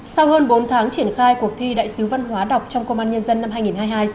sau hơn bốn tháng triển khai cuộc thi đại sứ văn hóa đọc trong công an nhân dân năm hai nghìn hai mươi hai